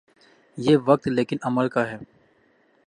یہ وقت لیکن عمل کا ہے۔